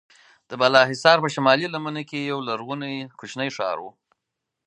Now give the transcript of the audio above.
د بالاحصار په شمالي لمنه کې یو لرغونی کوچنی ښار و.